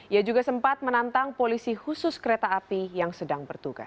ia juga sempat menantang polisi khusus kereta api yang sedang bertugas